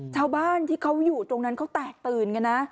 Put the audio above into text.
ชาวบ้านที่เขาอยู่ตรงนั้นเขาแตกตื่นกันนะ